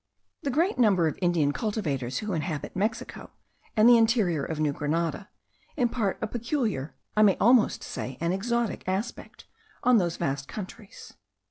The great number of Indian cultivators who inhabit Mexico and the interior of New Grenada, impart a peculiar, I may almost say, an exotic aspect, on those vast countries.